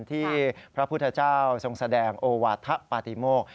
ที่พระพุทธเจ้าทรงแสดงโอวาธะปฏิโมก